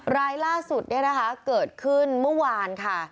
รายล่าสุดเกิดขึ้นเมื่อวานค่ะ